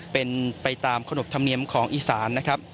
เป็นไปตามขนบธรรมเนียมของอีสานนะครับ